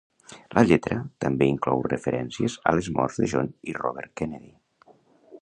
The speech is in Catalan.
La lletra també inclou referències a les morts de John i Robert Kennedy.